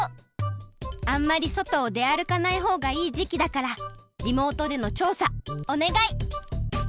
あんまりそとをであるかないほうがいいじきだからリモートでのちょうさおねがい！